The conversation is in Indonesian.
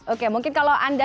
oke mungkin kalau anda